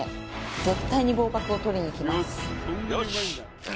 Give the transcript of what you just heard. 絶対に合格をとりにいきます